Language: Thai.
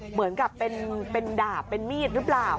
เหมือนกับเป็นดาบเป็นมีดหรือเปล่า